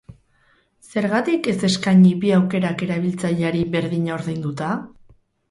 Zergatik ez eskaini bi aukerak erabiltzaileari berdina ordainduta?